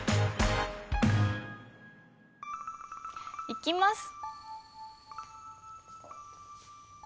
いきます！